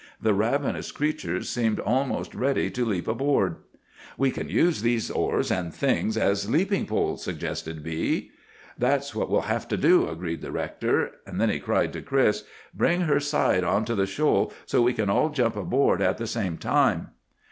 The ravenous creatures seemed almost ready to leap aboard. "'We can use these oars and things as leaping poles,' suggested B——. "'That's what we'll have to do,' agreed the rector. Then he cried to Chris, 'Bring her side onto the shoal, so we can all jump aboard at the same time.